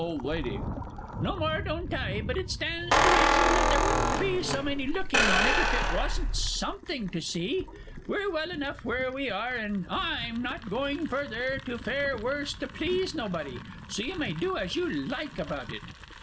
O. L. No more don't I but it stands to reason there wouldn't be so many looking on if there wasn't something to see. We're well enough where we are, and I'm not going further to fare worse to please nobody; so you may do as you like about it.